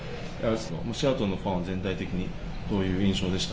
シアトルのファンは全体的にどういう印象でした？